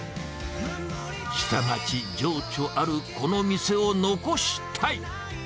下町情緒あるこの店を残したい。